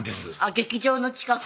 劇場の近く？